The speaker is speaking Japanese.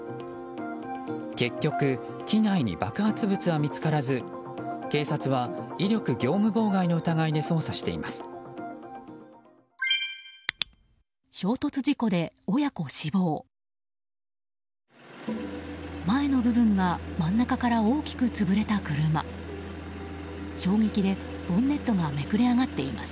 結局、機内に爆発物は見つからず警察は威力業務妨害の疑いで捜査しています。